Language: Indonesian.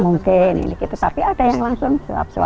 mungkin tapi ada yang langsung suap suapan